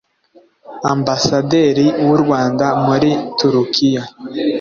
Ambasaderi w’u Rwanda muri Turikiya